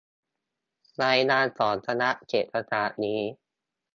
รายงานของคณะเศรษฐศาสตร์นี้